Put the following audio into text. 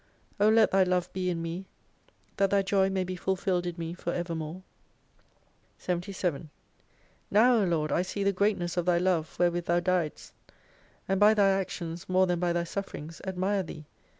O let Thy love be in me that Thy joy may be fulfilled in me for ever more. 77 Now O Lord I see the greatness of Thy love where with Thou diedst. And by Thy actions more than by Thy sufferings admire Thee.